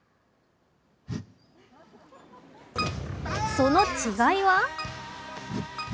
その違いは？